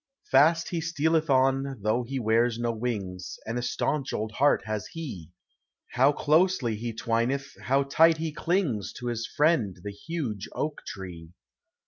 Fast he stealeth on, though he wears DO win And a staunch old heart has he! How closely he twineth, how tight he clingfl To his friend, the huge oak live!